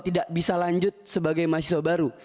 tidak bisa lanjut sebagai mahasiswa baru